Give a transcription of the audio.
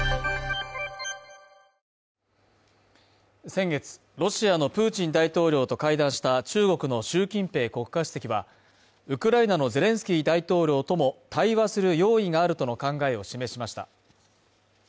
先月ロシアのプーチン大統領と会談した中国の習近平国家主席は、ウクライナのゼレンスキー大統領とも対話する用意があるとの考えを示しました。